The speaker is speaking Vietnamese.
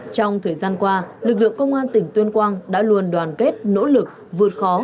trong thời gian qua lực lượng công an tỉnh tuyên quang đã luôn đoàn kết nỗ lực vượt khó